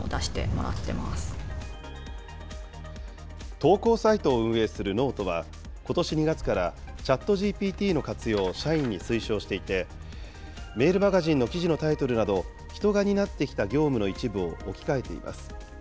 投稿サイトを運営するｎｏｔｅは、ことし２月からＣｈａｔＧＰＴの活用を社員に推奨していて、メールマガジンの記事のタイトルなど、人が担ってきた業務の一部を置き換えています。